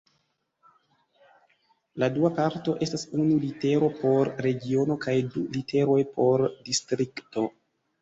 La dua parto estas unu litero por regiono kaj du literoj por distrikto.